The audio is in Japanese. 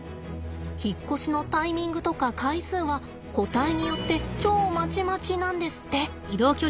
引っ越しのタイミングとか回数は個体によって超まちまちなんですって。